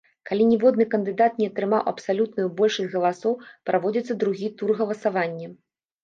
Калі ніводны кандыдат не атрымаў абсалютную большасць галасоў, праводзіцца другі тур галасавання.